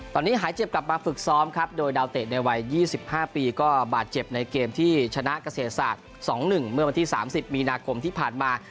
ตอนนี้หายเจ็บกลับมาฝึกซ้อมครับโดยดาวเตะในวัย๒๕ปีก็บาดเจ็บในเกมที่ชนะเกษตรศาสตร์๒๑เมื่อวันที่๓๐มีนาคมที่ผ่านมา